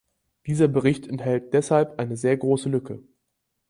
Dieser Bericht enthält deshalb eine sehr große Lücke.